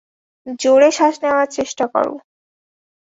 জোরে শ্বাস নেওয়ার চেষ্টা করো।